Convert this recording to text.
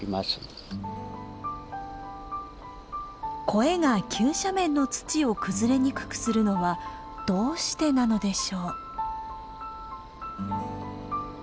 コエが急斜面の土を崩れにくくするのはどうしてなのでしょう。